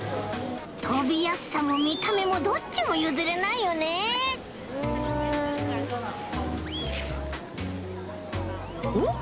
とびやすさもみためもどっちもゆずれないよねおっ？